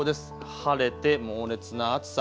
晴れて猛烈な暑さ。